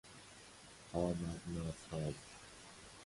قامت ناساز